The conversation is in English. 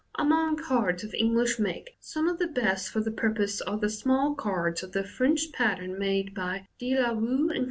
Among cards of English make, some of the best for the purpose are the small cards of the French pattern made by De La Rue & Co.